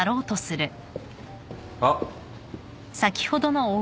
あっ。